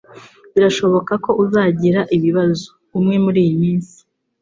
Birashoboka ko uzagira ibibazo umwe muriyi minsi